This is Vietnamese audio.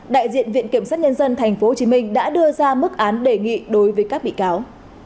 đại diện viện kiểm sát nhân dân tp hcm đã đưa ra mức án đề nghị đối với các bị cáo